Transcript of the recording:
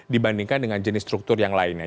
dibandingkan dengan jenis struktur yang lainnya